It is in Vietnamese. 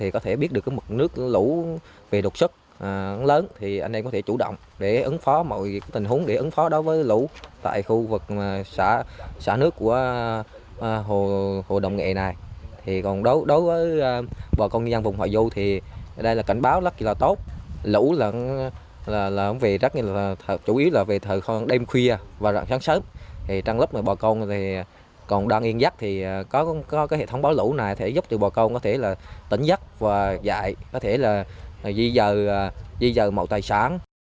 có hệ thống báo lũ này giúp bộ công có thể tỉnh giấc và dạy có thể di dờ mẫu tài sản